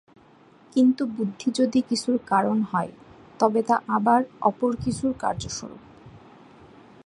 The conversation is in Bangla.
কিন্তু বুদ্ধি যদি কিছুর কারণ হয়, তবে তা আবার অপর কিছুর কার্যস্বরূপ।